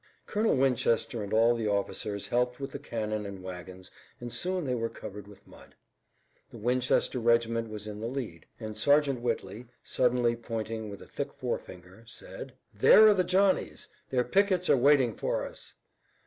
Colonel Winchester and all the officers helped with the cannon and wagons and soon they were covered with mud. The Winchester regiment was in the lead, and Sergeant Whitley suddenly pointing with a thick forefinger, said: "There are the Johnnies! Their pickets are waiting for us!"